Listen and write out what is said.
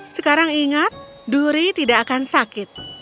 sekarang ingat duri tidak akan sakit